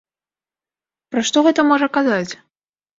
Пра што гэта можа казаць?